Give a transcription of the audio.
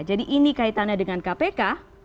jadi ini kaitannya dengan kpk